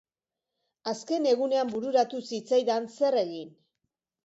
Azken egunean bururatu zitzaidan zer egin.